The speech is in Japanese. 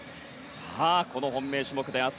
さあ、この本命種目で明日